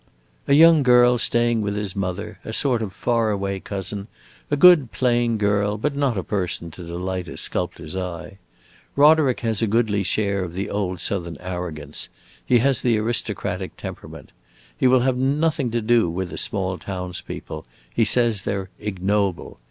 "A young girl staying with his mother, a sort of far away cousin; a good plain girl, but not a person to delight a sculptor's eye. Roderick has a goodly share of the old Southern arrogance; he has the aristocratic temperament. He will have nothing to do with the small towns people; he says they 're 'ignoble.